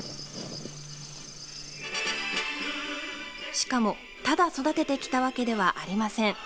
しかも、ただ育ててきたわけではありません。